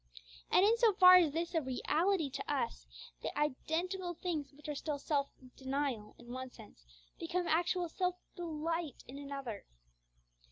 And in so far as this is a reality to us, the identical things which are still self denial in one sense, become actual self delight in another.